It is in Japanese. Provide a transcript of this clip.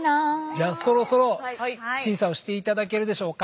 じゃあそろそろ審査をしていただけるでしょうか？